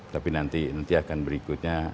tapi nanti akan berikutnya